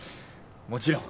もちろん。